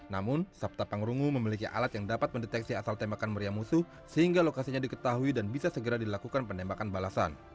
namun sabta pangrungu memiliki alat yang dapat mendeteksi asal tembakan meriam musuh sehingga lokasinya diketahui dan bisa segera dilakukan penembakan balasan